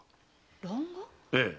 ええ。